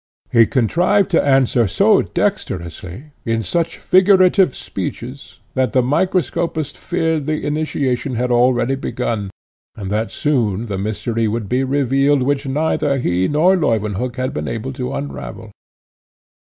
He contrived to answer so dexterously, in such figurative speeches, that the microscopist feared the initiation had already begun, and that soon the mystery would be revealed which neither he nor Leuwenhock had been able to unravel.